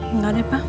enggak deh pa